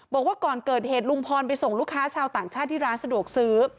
บอกว่าก่อนเกิดเหตุลุงพรไปส่งลูกค้าชาวต่างชาติที่ร้านสะดวกซื้อ